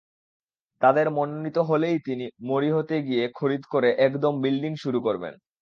তাদের মনোনীত হলেই তিনি মরী হতে গিয়ে খরিদ করে একদম বিল্ডিং শুরু করবেন।